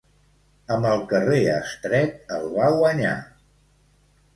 Amb El carrer estret, el va guanyar.